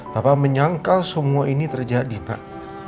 papa menyangkal semua ini terjadi pak